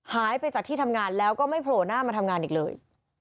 หายไปจากที่ทำงานแล้วก็ไม่โผล่หน้ามาทำงานอีกเลย